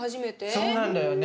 そうなんだよね。